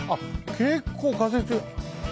結構風強い。